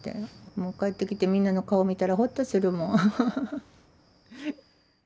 もう帰ってきてみんなの顔見たらほっとするもん。